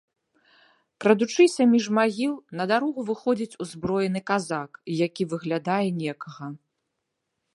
Крадучыся між магіл, на дарогу выходзіць узброены казак, які выглядае некага.